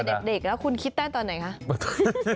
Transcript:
คิดได้ตั้งแต่เด็กแล้วคุณคิดได้ตอนไหนคะ